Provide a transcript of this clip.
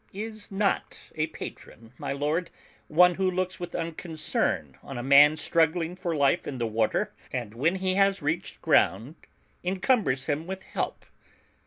Is not a Patron, my Lord, one who looks with unconcern on a man struggling for life in the water, and, when he has reached ground, encumbers him with help?